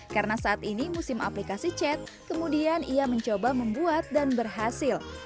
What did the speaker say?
karena saat ini musim aplikasi chat kemudian ia mencoba membuat dan berhasil